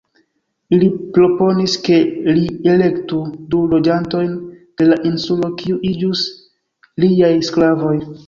Ili proponis ke li elektu du loĝantojn de la insulo, kiu iĝus liaj sklavoj.